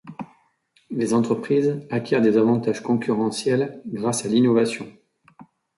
Les entreprises acquièrent des avantages concurrentiels grâce à l'innovation.